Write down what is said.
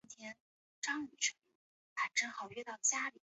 板桥查某是一首台湾闽南语民谣。